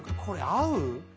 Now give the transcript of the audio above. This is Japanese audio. これ合う？